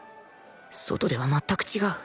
外では全く違う